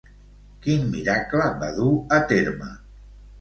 Quin miracle va dur a terme?